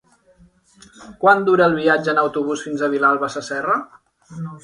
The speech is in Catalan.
Quant dura el viatge en autobús fins a Vilalba Sasserra?